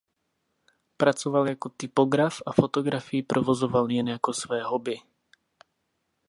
Pracoval jako typograf a fotografii provozoval jen jako své hobby.